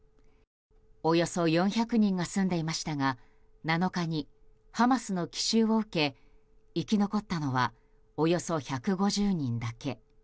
およそ４００人が住んでいましたが７日にハマスの奇襲を受け生き残ったのはおよそ１５０人だけ。